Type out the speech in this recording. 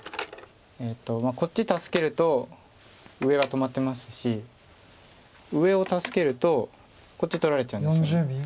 こっち助けると上は止まってますし上を助けるとこっち取られちゃうんですよね。